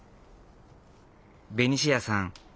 ベニシアさん